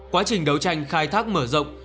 quá trình đấu tranh khai thác mở rộng